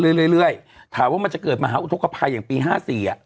เรื่อยเรื่อยเรื่อยถามว่ามันจะเกิดมหาอุทกภัยอย่างปีห้าสี่อ่ะ